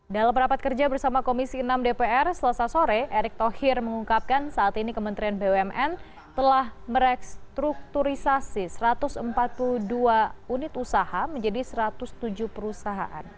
dalam rapat kerja bersama komisi enam dpr selesai sore erick thohir mengungkapkan saat ini kementerian bumn telah merestrukturisasi satu ratus empat puluh dua unit usaha menjadi satu ratus tujuh perusahaan